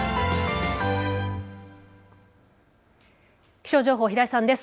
気象情報、平井さんです。